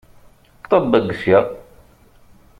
Ṭebbeg sya!